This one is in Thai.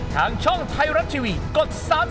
ทางช่องไทยรัฐทีวีกด๓๒